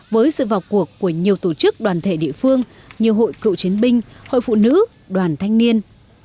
với sự vào cuộc của nhiều tổ chức đoàn thể địa phương như hội cựu chiến binh hội phụ nữ đoàn thanh niên